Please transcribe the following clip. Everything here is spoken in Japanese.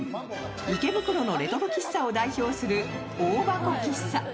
池袋のレトロ喫茶を代表する大箱喫茶。